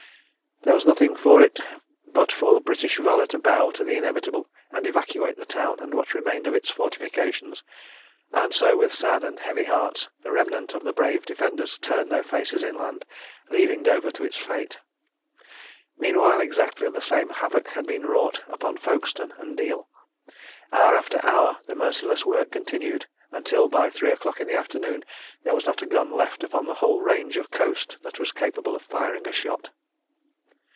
There was nothing for it but for British valour to bow to the inevitable, and evacuate the town and what remained of its fortifications; and so with sad and heavy hearts the remnant of the brave defenders turned their faces inland, leaving Dover to its fate. Meanwhile exactly the same havoc had been wrought upon Folkestone and Deal. Hour after hour the merciless work continued, until by three o'clock in the afternoon there was not a gun left upon the whole range of coast that was capable of firing a shot.